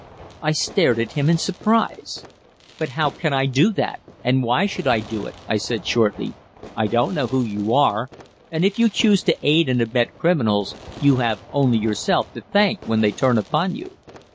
I stared at him in surprise. "But how can I do that, and why should I do it?" I said shortly. "I don't know who you are, and if you choose to aid and abet criminals you have only yourself to thank when they turn upon you."